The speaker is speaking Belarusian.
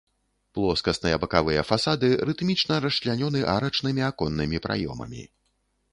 Плоскасныя бакавыя фасады рытмічна расчлянёны арачнымі аконнымі праёмамі.